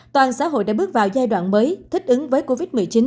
toàn xã hội đã bước vào giai đoạn mới thích ứng với covid một mươi chín